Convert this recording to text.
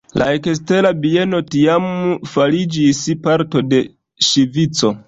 La Ekstera Bieno tiam fariĝis parto de Ŝvico.